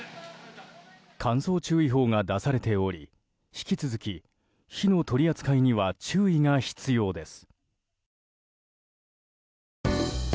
乾燥注意報が出されており引き続き、火の取り扱いには注意が必要です。